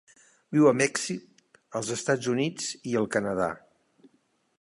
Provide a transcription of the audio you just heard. Viu a Mèxic, els Estats Units i el Canadà.